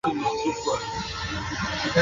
এ বিষয়ে তিনি দুইটি পাঠ্যপুস্তক রচনা করেছেন।